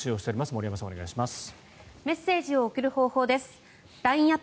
森山さん、お願いします。